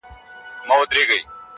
گلاب جانانه ته مي مه هېروه